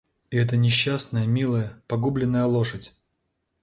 И эта несчастная, милая, погубленная лошадь!